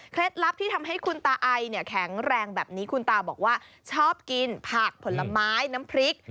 ลับที่ทำให้คุณตาไอเนี่ยแข็งแรงแบบนี้คุณตาบอกว่าชอบกินผักผลไม้น้ำพริก